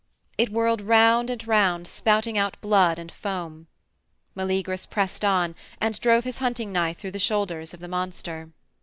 It whirled round and round, spouting out blood and foam. Meleagrus pressed on, and drove his hunting knife through the shoulders of the monster.